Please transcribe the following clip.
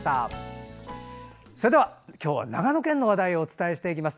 それでは今日は長野県の話題をお伝えしていきます。